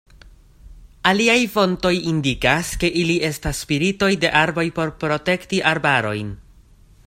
Aliaj fontoj indikas, ke ili estas spiritoj de arboj por protekti arbarojn.